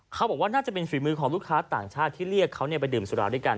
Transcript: เขาบอกว่าน่าจะเป็นฝีมือของลูกค้าต่างชาติที่เรียกเขาไปดื่มสุราด้วยกัน